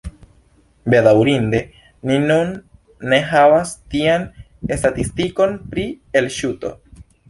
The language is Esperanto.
Bedaŭrinde ni nun ne havas tian statistikon pri elŝuto.